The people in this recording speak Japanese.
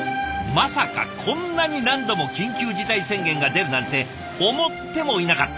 まさかこんなに何度も緊急事態宣言が出るなんて思ってもいなかった。